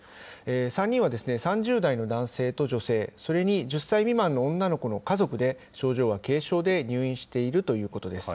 ３人は、３０代の男性と女性、それに１０歳未満の女の子の家族で、症状は軽症で入院しているということです。